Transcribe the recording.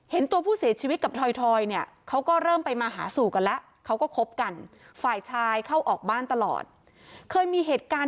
เห็นตัวผู้เสียชีวิตกับถอยเขาก็เริ่มไปมาหาสู่กันละ